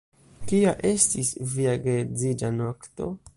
Kia estis via geedziĝa nokto?